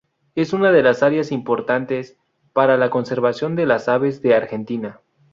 Es una de las áreas importantes para la conservación de las aves de Argentina.